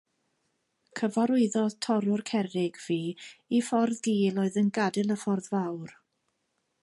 Cyfarwyddodd torrwr cerrig fi i ffordd gul oedd yn gadael y ffordd fawr.